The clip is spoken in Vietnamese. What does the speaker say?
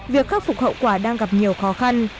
việc khắc phục hậu quả đang gặp nhiều khó khăn